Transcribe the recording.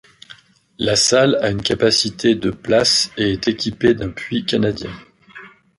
La salle a une capacité de places et est équipée d'un puits canadien.